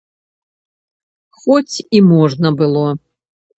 Хоць і можна было.